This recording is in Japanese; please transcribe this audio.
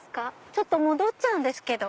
ちょっと戻っちゃうんですけど。